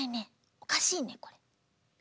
おかしいねこれ。